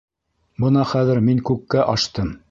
Бына хәҙер мин күккә аштым!